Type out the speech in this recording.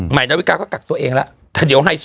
ใหม่ดาวุิกาก็กักตัวเองและ